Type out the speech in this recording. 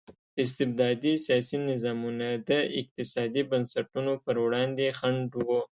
استبدادي سیاسي نظامونه د اقتصادي بنسټونو پر وړاندې خنډ وو.